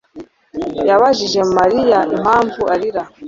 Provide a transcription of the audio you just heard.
yabajije Mariya impamvu arira.